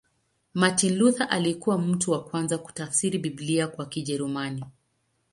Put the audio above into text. Martin Luther alikuwa mtu wa kwanza kutafsiri Biblia kwa Kijerumani.